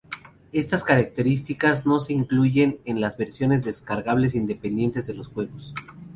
Estas características no se incluyen en las versiones descargables independientes de los juegos.